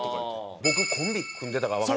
僕コンビ組んでたからわかる。